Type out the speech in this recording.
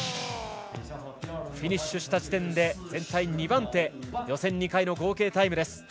フィニッシュした時点で全体２番手という予選２回の合計タイムです。